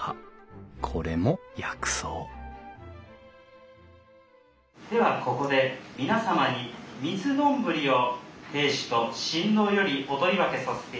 これも薬草ではここで皆様に三ツ丼を亭主と新郎よりお取り分けさせていただきます。